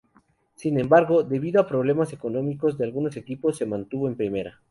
Sin embargo, debido a problemas económicos de algunos equipos, se mantuvo en primera.